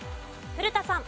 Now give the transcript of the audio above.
古田さん。